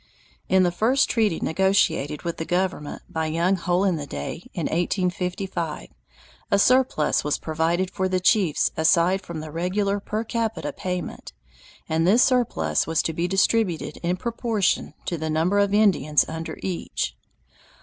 In the first treaty negotiated with the government by young Hole in the Day in 1855, a "surplus" was provided for the chiefs aside from the regular per capita payment, and this surplus was to be distributed in proportion to the number of Indians under each.